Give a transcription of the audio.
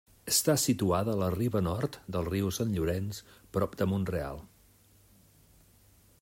Està situada a la riba nord del riu Sant Llorenç, prop de Mont-real.